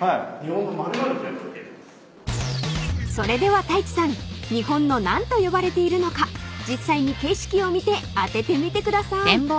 ［それでは太一さん日本の何と呼ばれているのか実際に景色を見て当ててみてください］